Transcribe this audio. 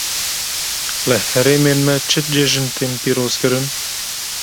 Li herêmên me çi cejn tên pîrozkirin?